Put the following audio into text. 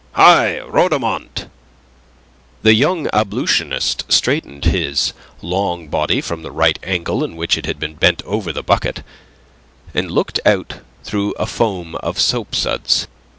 Hi, Rhodomont!" The young ablutionist straightened his long body from the right angle in which it had been bent over the bucket, and looked out through a foam of soapsuds.